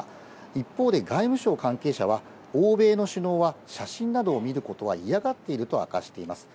一方で外務省関係者は欧米の首脳は写真などを見ることは嫌がっていると明かしています。